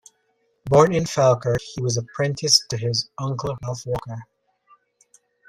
Born in Falkirk, he was apprenticed to his uncle Ralph Walker.